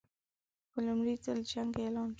په لومړي ځل جنګ اعلان شو.